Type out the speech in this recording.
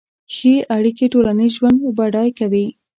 ښه اړیکې ټولنیز ژوند بډای کوي.